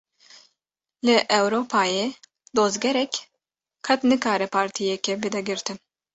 Li Ewropayê dozgerek, qet nikare partiyekê bide girtin